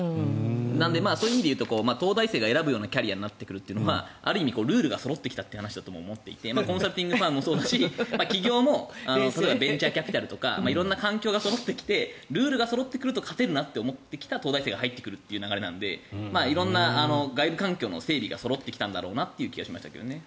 なのでそういう意味で言うと東大生が選ぶようなキャリアになってくるということはある意味、ルールがそろってきたという話だと思っていてコンサルティングファームもそうだし起業もベンチャーキャピタルとか色んな環境がそろってきてルールがそろってくると勝てるなと思ってきた東大生が入ってくるという流れなので外部環境の整備がそろってきたんだろうなという気がしましたけどね。